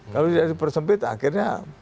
kalau dipersempit akhirnya